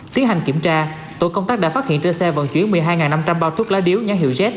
tiến hành kiểm tra tổ công tác đã phát hiện trên xe vận chuyển một mươi hai năm trăm linh bao thuốc lá điếu nhãn hiệu z